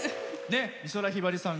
美空ひばりさん